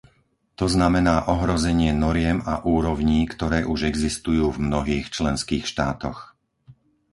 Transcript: To znamená ohrozenie noriem a úrovní, ktoré už existujú v mnohých členských štátoch.